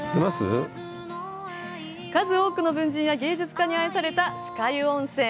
数多くの文人や芸術家に愛された酸ヶ湯温泉。